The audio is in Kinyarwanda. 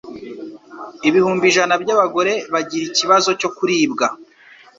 ibihumbi ijana by'abagore bagira ikibazo cyo kuribwa